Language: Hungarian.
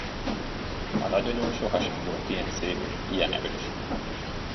A nagyanyó sohasem volt ilyen szép, ilyen erős.